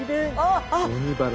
あっ！